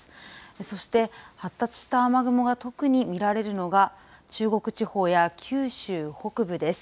そして、発達した雨雲が特に見られるのが、中国地方や九州北部です。